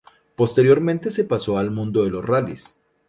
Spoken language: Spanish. Posteriormente se pasó al mundo de los rallies.